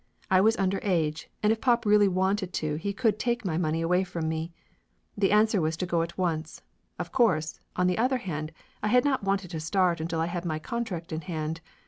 I was under age, and if pop really wanted to he could take my money away from me. The answer was to go at once. Of course on the other hand I had not wanted to start until I had my contract in hand.